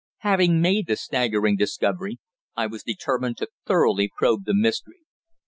Having made the staggering discovery, I was determined to thoroughly probe the mystery.